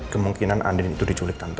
kemungkinan andri itu diculik tante